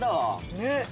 ねっ！